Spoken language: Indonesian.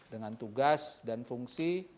dengan tugas dan fungsi